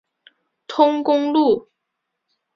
通公路。